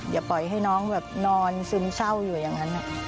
อย่าปล่อยให้น้องแบบนอนซึมเศร้าอยู่อย่างนั้น